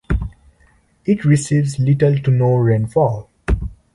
It receives little to no rainfall.